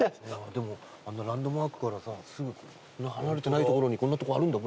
でもあんなランドマークからさすぐそんな離れてない所にこんなとこあるんだ。